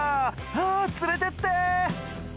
あぁ連れてって。